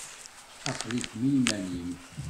Aql-ikem iman-im.